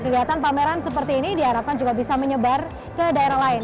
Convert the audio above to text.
dan pameran seperti ini diharapkan juga bisa menyebar ke daerah lain